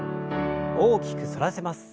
大きく反らせます。